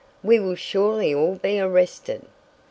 "We will surely all be arrested!"